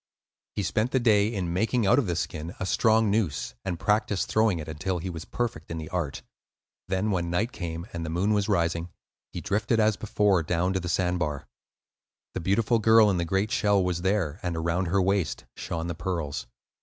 He spent the day in making out of the skin a strong noose, and practised throwing it until he was perfect in the art. Then, when night came and the moon was rising, he drifted as before down to the sand bar. The beautiful girl in the great shell was there, and around her waist shone the pearls.